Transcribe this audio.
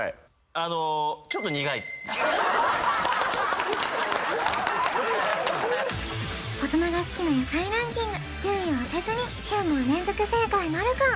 あの大人が好きな野菜ランキング１０位を当てずに９問連続正解なるか？